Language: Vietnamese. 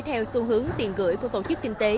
theo xu hướng tiền gửi của tổ chức kinh tế